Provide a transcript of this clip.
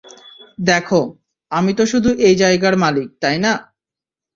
দ্যাখো, আমি তো শুধু এই জায়গার মালিক, তাই না?